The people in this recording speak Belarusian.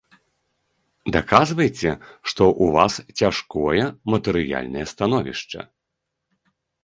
Даказвайце, што ў вас цяжкое матэрыяльнае становішча.